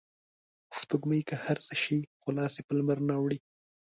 سپوږمۍ که هر څه شي خو لاس یې په لمرنه اوړي